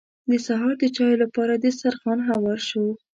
د سهار د چايو لپاره دسترخوان هوار شو.